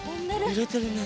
ゆれてるね。